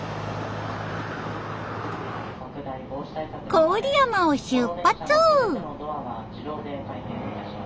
郡山を出発！